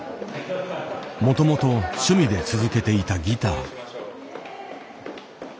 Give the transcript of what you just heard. もともと趣味で続けていたギター。